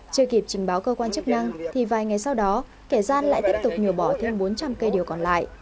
chưa kịp trình báo cơ quan chức năng thì vài ngày sau đó kẻ gian lại tiếp tục nhổ bỏ thêm bốn trăm linh cây điều còn lại